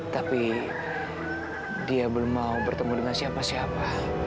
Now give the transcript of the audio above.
tapi dia belum mau bertemu dengan siapa siapa